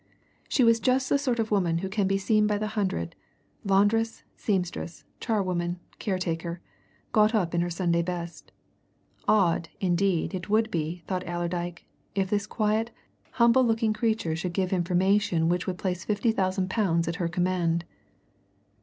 She was just the sort of woman who can be seen by the hundred laundress, seamstress, charwoman, caretaker, got up in her Sunday best. Odd, indeed, it would be, thought Allerdyke, if this quiet, humble looking creature should give information which would place fifty thousand pounds at her command!